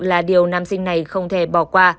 là điều nam sinh này không thể bỏ qua